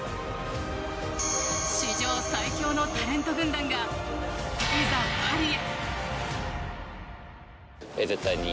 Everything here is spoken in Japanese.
史上最強のタレント軍団がいざ、パリへ。